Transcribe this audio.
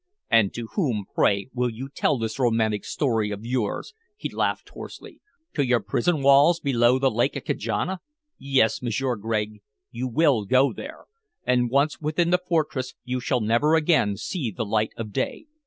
"And to whom, pray, will you tell this romantic story of yours?" he laughed hoarsely. "To your prison walls below the lake at Kajana? Yes, M'sieur Gregg, you will go there, and once within the fortress you shall never again see the light of day.